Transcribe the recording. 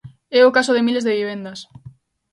É o caso de Miles de Vivendas.